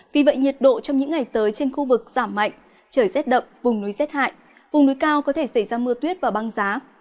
vì vậy nhiệt độ trong những ngày tới trên khu vực giảm mạnh trời rét đậm vùng núi rét hại vùng núi cao có thể xảy ra mưa tuyết và băng giá